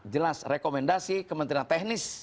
jelas rekomendasi kementerian teknis